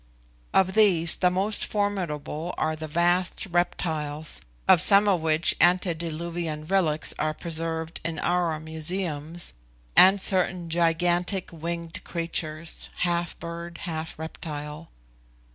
Of these the most formidable are the vast reptiles, of some of which antediluvian relics are preserved in our museums, and certain gigantic winged creatures, half bird, half reptile.